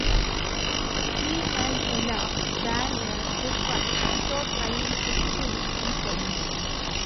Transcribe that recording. He and Ella share a goodbye without trying to kill each other.